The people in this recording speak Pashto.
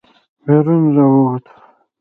بېرون راووتو.